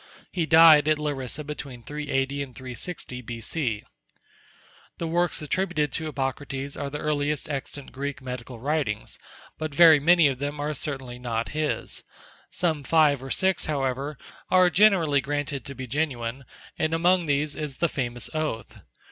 He died at Larissa between 380 and 360 B.C.The works attributed to Hippocrates are the earliest extant Greek medical writings, but very many of them are certainly not his. Some five or six, however, are generally granted to be genuine, and among these is the famous "Oath."